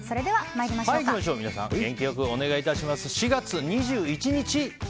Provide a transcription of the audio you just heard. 皆さん、元気良くお願いします。